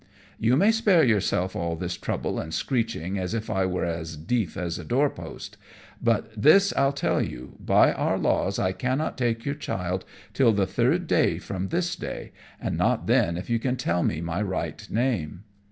"You may spare yourself all this trouble and screeching as if I were as deaf as a door post; but this I'll tell you, by our laws I cannot take your child till the third day from this day, and not then if you can tell me my right name."